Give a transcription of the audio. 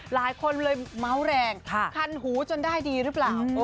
หลายคนเลยเมาส์แรงคันหูจนได้ดีหรือเปล่า